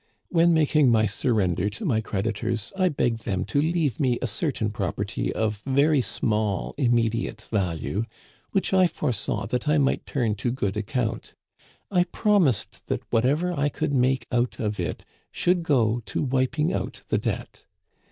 When making my surrender to my creditors I begged them to leave me a certain property of very small immediate value, which I foresaw that I might turn to good ac count. I promised that whatever I could make out of it should go to wiping out the debt.